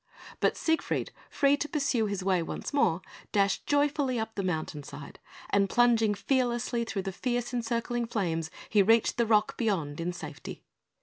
But Siegfried, free to pursue his way once more, dashed joyfully up the mountain side, and plunging fearlessly through the fierce encircling flames, he reached the rock beyond in safety.